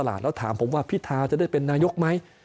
แล้วถามผมว่าพิธาจะได้เป็นนายกไหม